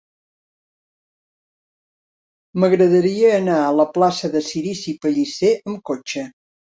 M'agradaria anar a la plaça de Cirici Pellicer amb cotxe.